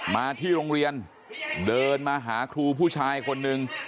มาที่โรงเรียนเดินมาหาครูผู้ชายคนหนึ่ง